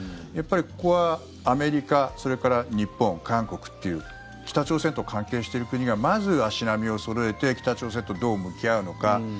やっぱりここは、アメリカそれから日本、韓国という北朝鮮と関係している国がまず、足並みをそろえて北朝鮮とどう向き合うのか。